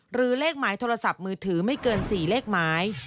หรือเลขหมายโทรศัพท์มือถือไม่เกิน๔เลขหมาย